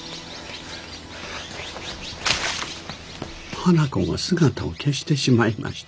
花子が姿を消してしまいました。